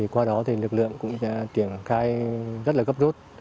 qua đó lực lượng cũng chuyển khai rất gấp rút